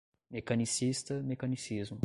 Mecanicista, mecanicismo